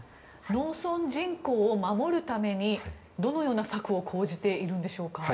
農村人口を守るためにどのような策を講じているんでしょうか。